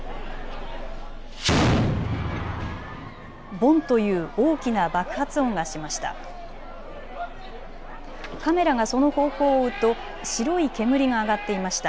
ボンという大きな爆発音がしました。